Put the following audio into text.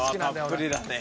たっぷりだね。